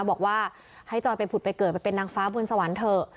บอกว่าให้จอยไปผุดไปเกิดไปเป็นนางฟ้าบนสวรรค์เถอะ